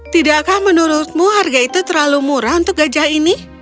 tidakkah menurutmu harga itu terlalu murah untuk gajah ini